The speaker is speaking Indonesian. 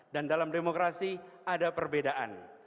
dan dalam demokrasi ada perbedaan